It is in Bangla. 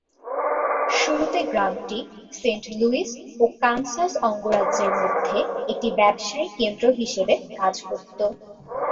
শুরুতে গ্রামটি সেন্ট লুইস ও কানসাস অঙ্গরাজ্যের মধ্যে একটি ব্যবসায়িক কেন্দ্র হিসেবে কাজ করত।